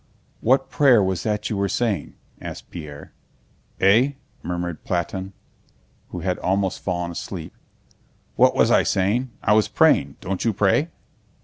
"What prayer was that you were saying?" asked Pierre. "Eh?" murmured Platón, who had almost fallen asleep. "What was I saying? I was praying. Don't you pray?"